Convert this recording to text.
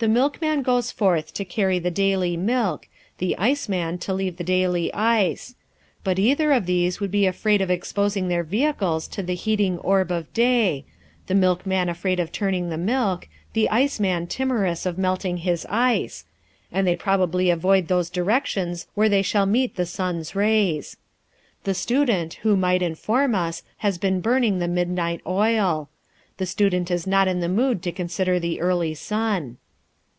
The milkman goes forth to carry the daily milk, the ice man to leave the daily ice. But either of these would be afraid of exposing their vehicles to the heating orb of day, the milkman afraid of turning the milk, the ice man timorous of melting his ice and they probably avoid those directions where they shall meet the sun's rays. The student, who might inform us, has been burning the midnight oil. The student is not in the mood to consider the early sun.